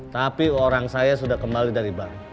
tapi orang saya sudah kembali dari bali